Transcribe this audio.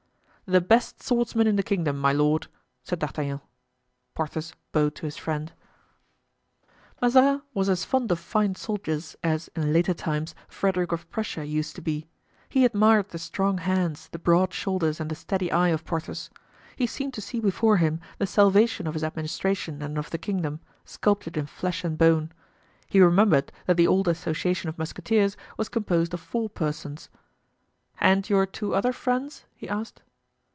"The best swordsman in the kingdom, my lord," said D'Artagnan. Porthos bowed to his friend. Mazarin was as fond of fine soldiers as, in later times, Frederick of Prussia used to be. He admired the strong hands, the broad shoulders and the steady eye of Porthos. He seemed to see before him the salvation of his administration and of the kingdom, sculptured in flesh and bone. He remembered that the old association of musketeers was composed of four persons. "And your two other friends?" he asked.